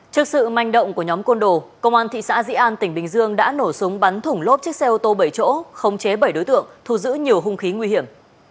trước sự manh động của nhóm côn đồ công an thị xã dĩ an tỉnh bình dương đã nổ súng bắn thủng lốp chiếc xe ô tô bảy chỗ khống chế bảy đối tượng thu giữ nhiều hung khí nguy hiểm